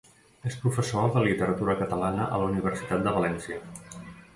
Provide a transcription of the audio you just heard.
És professor de Literatura Catalana a la Universitat de València.